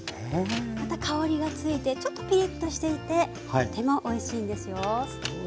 また香りがついてちょっとぴりっとしていてとてもおいしいんですよ。